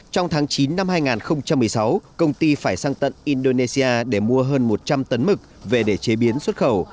trong tháng chín năm hai nghìn một mươi sáu công ty phải sang tận indonesia để mua hơn một trăm linh tấn mực về để chế biến xuất khẩu